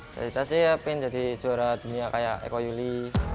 cita cita sih ingin jadi juara dunia kayak eko yuli